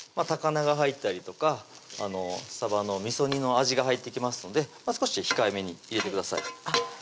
高菜が入ったりとかさばのみそ煮の味が入ってきますので少し控えめに入れてくださいあっ